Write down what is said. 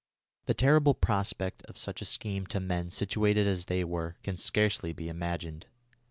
The terrible prospect of such a scheme to men situated as they were can scarcely be imagined.